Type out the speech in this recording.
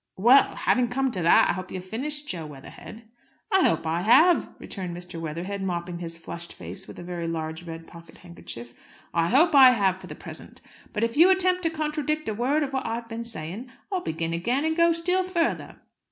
"Well, having come to that, I hope you've finished, Jo Weatherhead." "I hope I have," returned Mr. Weatherhead, mopping his flushed face with a very large red pocket handkerchief. "I hope I have, for the present. But if you attempt to contradict a word of what I have been saying, I'll begin again and go still further!"